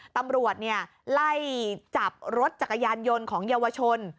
ตำรวจไล่จับรถจักรยานยนต์ของเยาวชน